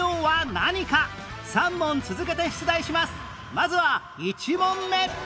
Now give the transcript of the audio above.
まずは１問目